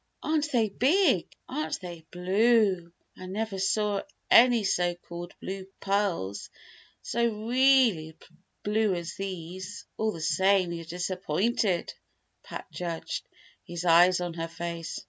"Aren't they big? Aren't they blue? I never saw any so called 'blue pearls' so really blue as these." "All the same, you are disappointed," Pat judged, his eyes on her face.